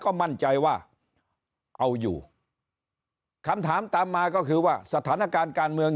ก็มั่นใจว่าเอาอยู่คำถามตามมาก็คือว่าสถานการณ์การเมือง